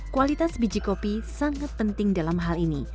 kualitas biji kopi sangat penting dalam hal ini